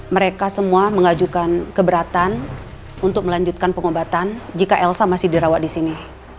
mereka semua mengajukan keberatan untuk melanjutkan pengobatan jika elsa masih dirawat di sini